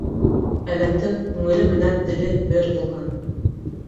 Әҙәмдең күңеле менән теле бер булһын.